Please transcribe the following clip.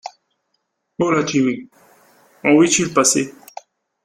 Où l’as-tu mis ? où est-il passé ?